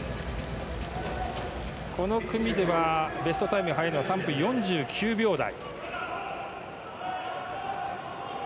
この組ではベストタイムに入るのは３分４９秒台。